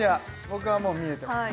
僕はもう見えてます